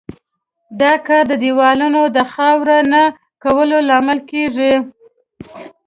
دا کار د دېوالونو د خاوره نه کولو لامل کیږي.